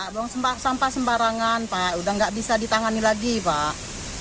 buang sampah sembarangan pak udah nggak bisa ditangani lagi pak